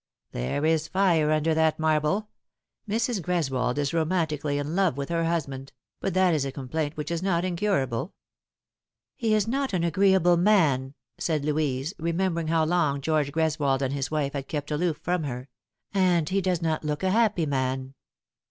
" There is fire under that marble. Mrs. Greswold is roman tically in love with her husband : but that is a complaint which is not incurable." " He is not an agreeable man," said Louise, remembering how A Wife and no Wife. 137 long George Greswold and his wife had kept aloof from her. " And he does not look a happy man."